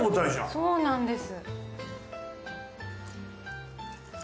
そうなんです。